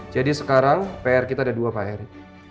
jadi sekarang pr kita ada dua pak eric